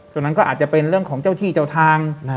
ตรงนั้นก็อาจจะเป็นเรื่องของเจ้าที่เจ้าทาง